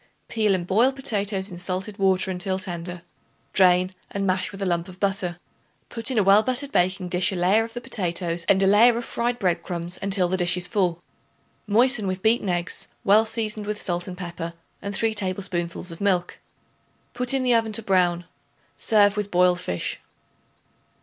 Peel and boil potatoes in salted water until tender; drain and mash with a lump of butter. Put in a well buttered baking dish a layer of the potatoes and a layer of fried bread crumbs until dish is full. Moisten with beaten eggs, well seasoned with salt and pepper, and 3 tablespoonfuls of milk. Put in the oven to brown. Serve with boiled fish.